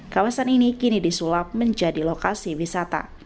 kawasan ini kini disulap menjadi lokasi wisata